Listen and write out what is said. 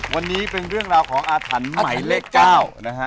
วันนี้เป็นเรื่องราวของอาถรรพ์หมายเลข๙นะฮะ